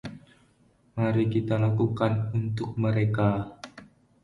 Mari kita lakukan untuk mereka.